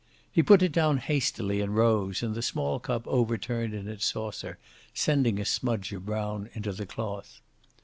He put it down hastily and rose, and the small cup overturned in its saucer, sending a smudge of brown into the cloth.